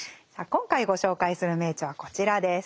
今回ご紹介する名著はこちらです。